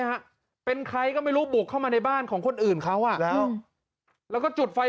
ฮะเป็นใครก็ไม่รู้บุกเข้ามาในบ้านของคนอื่นเขาอ่ะแล้วแล้วก็จุดไฟ